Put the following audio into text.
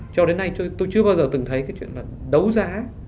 cho đến nay tôi chưa bao giờ từng thấy cái chuyện là đấu giá